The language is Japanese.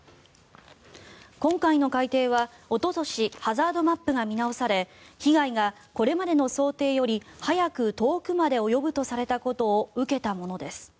今回の改定は、おととしハザードマップが見直され被害がこれまでの想定より早く遠くまで及ぶとされたことを受けたものです。